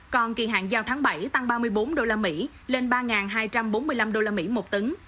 còn kỳ hạn giao tháng bảy tăng ba mươi bốn đô la mỹ lên ba hai trăm bốn mươi năm đô la mỹ một tấn